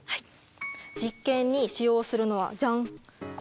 実験に使用するのはジャン。